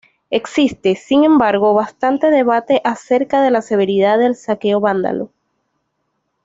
Existe, sin embargo, bastante debate acerca de la severidad del saqueo vándalo.